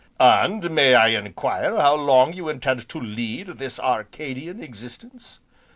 "And may I enquire how long you intend to lead this Arcadian existence?"